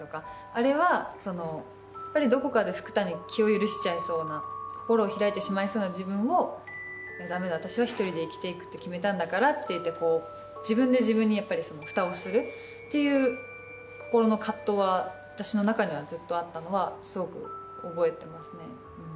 あれはどこかで福多に気を許しちゃいそうな心を開いてしまいそうな自分をダメだ私は１人で生きて行くって決めたんだからっていって自分で自分にふたをするっていう心の藤は私の中にはずっとあったのはすごく覚えてますね。